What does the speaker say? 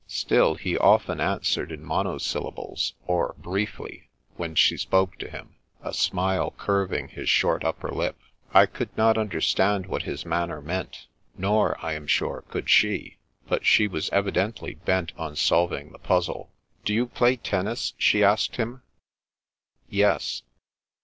Still, he often answered in monosyllables or briefly, when she spoke to him, a smile curving his short ia6 A Man from the Dark 187 upper lip. I could not understand what his manner meant, nor, I am sure, could she ; but she was evi dently bent on solving the puzzle. " Do you play tennis? " she asked him. " Yes."